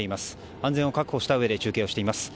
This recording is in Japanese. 安全を確保したうえで中継をしています。